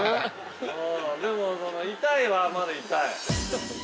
でも、痛いは、まだ痛い。